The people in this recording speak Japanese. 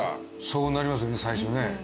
そうなりますね最初ね。